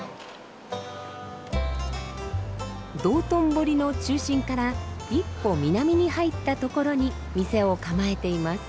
道頓堀の中心から一歩南に入ったところに店を構えています。